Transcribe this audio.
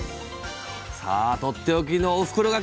さあとっておきのおふくろ柿！